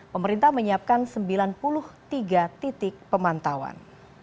pemerintah menyiapkan sembilan puluh tiga titik pemantauan